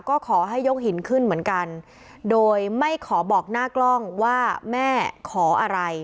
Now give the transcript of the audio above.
ก็ขอให้ยกหินขึ้นเหมือนกันโดยไม่ขอบอกหน้ากล้องว่าแม่ขออะไร